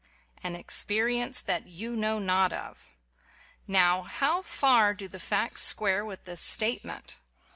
"An experience that you know not of"! Now, how far do the facts square with this statement?